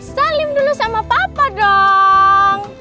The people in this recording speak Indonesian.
salim dulu sama papa dong